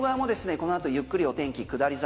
このあとゆっくりお天気下り坂